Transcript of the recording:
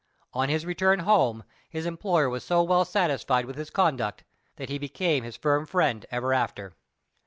On his return home, his employer was so well satisfied with his conduct, that he became his firm friend ever after.